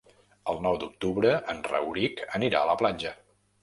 El nou d'octubre en Rauric anirà a la platja.